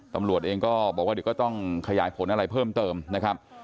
ตำรวจเองก็บอกว่าเดี๋ยวก็ต้องขยายผลอะไรเพิ่มเติมนะครับ